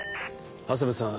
長谷部さん